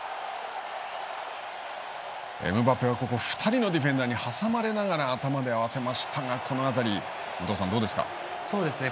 エムバペはここ２人のディフェンダーに挟まれながら頭で合わせましたが、このあたりそうですね。